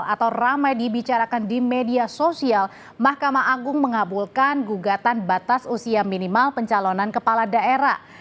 atau ramai dibicarakan di media sosial mahkamah agung mengabulkan gugatan batas usia minimal pencalonan kepala daerah